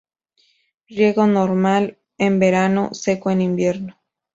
Riego normal en verano, seco en invierno.